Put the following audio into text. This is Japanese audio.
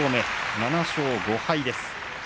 ７勝５敗です。